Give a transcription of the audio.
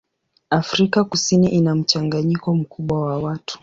Afrika Kusini ina mchanganyiko mkubwa wa watu.